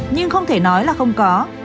nhưng không thể nói là không có